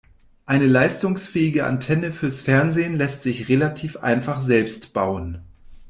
Eine leistungsfähige Antenne fürs Fernsehen lässt sich relativ einfach selbst bauen.